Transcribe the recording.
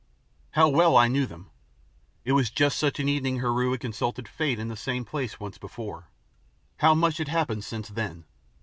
How well I knew them! It was just such an evening Heru had consulted Fate in the same place once before; how much had happened since then!